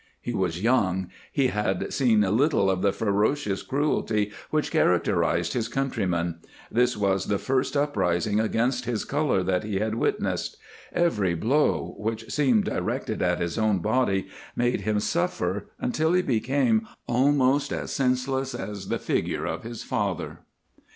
He was young, he had seen little of the ferocious cruelty which characterized his countrymen; this was the first uprising against his color that he had witnessed. Every blow, which seemed directed at his own body, made him suffer until he became almost as senseless as the figure of his father.